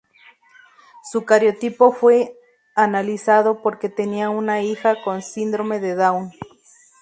Su cariotipo fue analizado porque tenía una hija con síndrome de Down.